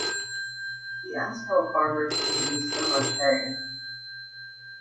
He asked how a farmer could produce so much hay.